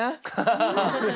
ハハハッ。